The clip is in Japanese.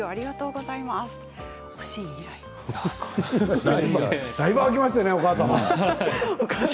だいぶ空きましたねお母様。